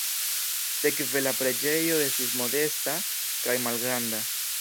Sekve la preĝejo estis modesta kaj malgranda.